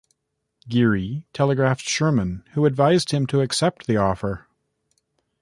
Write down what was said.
Geary telegraphed Sherman, who advised him to accept the offer.